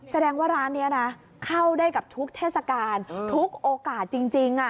แสดงว่าร้านนี้นะเข้าได้กับทุกเทศกาลทุกโอกาสจริง